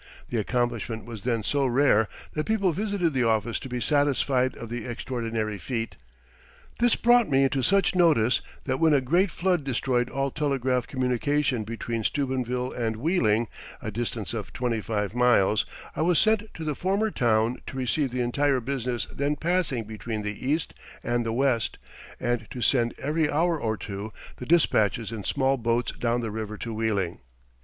The accomplishment was then so rare that people visited the office to be satisfied of the extraordinary feat. This brought me into such notice that when a great flood destroyed all telegraph communication between Steubenville and Wheeling, a distance of twenty five miles, I was sent to the former town to receive the entire business then passing between the East and the West, and to send every hour or two the dispatches in small boats down the river to Wheeling.